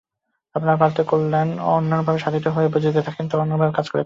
আপনারা ভারতের কল্যাণ অন্যভাবে সাধিত হবে বুঝে থাকেন তো অন্যভাবে কাজ করে যান।